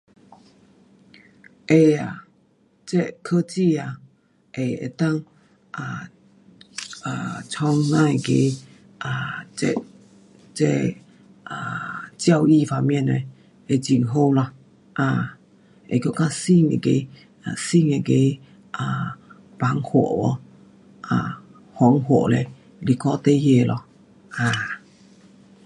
会啊，这科技啊，能够 um um 做咱那个这，这 um 教育方面的是很好啦 um 那更加新的,较新那个是教孩儿咯 um